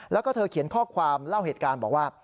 แล้วก็เธอเขียนข้อความเล่าเหตุการณ์บอกว่า